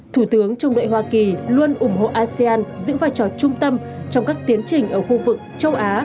thủ tướng trung đội hoa kỳ luôn ủng hộ asean giữ vai trò trung tâm trong các tiến trình ở khu vực châu á